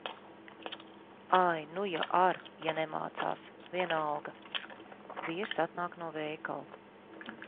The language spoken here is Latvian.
Ai, nu ja ar’ ja nemācās, vienalga. Vīrs atnāk no veikala.